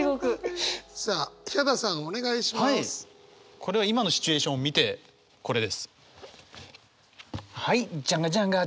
これは今のシチュエーション見てこれです。